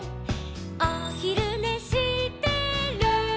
「おひるねしてる」